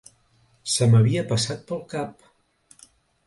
Se m'havia passat pel cap.